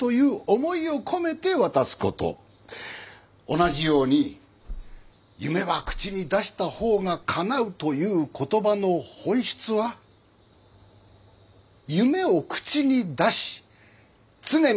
同じように「夢は口に出した方が叶う」という言葉の本質は夢を口に出し常に夢を見失わないようにすること。